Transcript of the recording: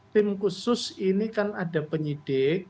tim khusus ini kan ada penyidik